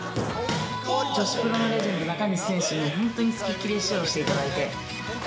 女子プロのレジェンド、中西選手にも本当につきっきりで指導していただいて。